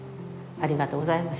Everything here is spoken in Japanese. ありがとうございます。